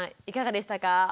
いかがでしたか？